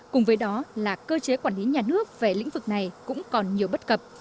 cùng với đó là cơ chế quản lý nhà nước về lĩnh vực này cũng còn nhiều bất cập